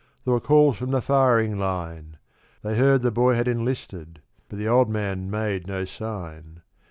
There were calls from the firing line; They heard the boy had enlisted, but the old man made no sign.